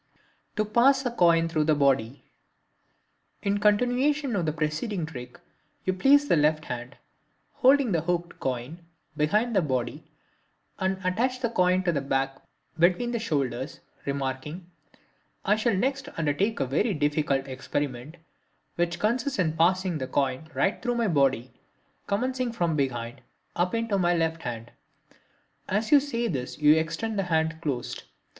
To Pass a Coin Through the Body.—In continuation of the preceding trick you place the left hand (holding the hooked coin) behind the body and attach the coin to the back between the shoulders, remarking: "I shall next undertake a very difficult experiment, which consists in passing the coin right through my body, commencing from behind, up into my left hand" (as you say this you extend the hand closed).